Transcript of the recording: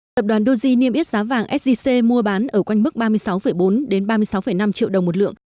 tập đoàn doge niêm yết giá vàng sgc mua bán ở quanh mức ba mươi sáu bốn ba mươi sáu năm triệu đồng một lượng